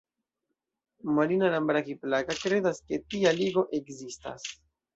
Marina Lambraki-Plaka kredas ke tia ligo ekzistas.